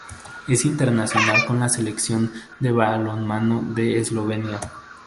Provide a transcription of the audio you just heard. Es internacional con la selección de balonmano de Eslovenia.